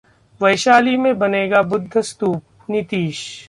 वैशाली में बनेगा बुद्ध स्तूप: नीतीश